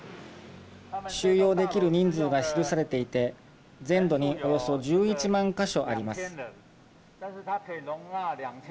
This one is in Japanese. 収容できる人数が記されていて全土におよそ１１万か所あります。